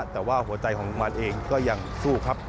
แต่ว่าหัวใจของกุมารเองก็ยังสู้ครับ